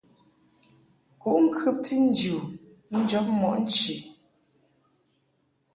Kuʼ ŋkɨbti nji u njɔb mɔʼ nchi.